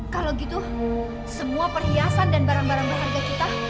kalau gitu semua perhiasan dan barang barang berharga kita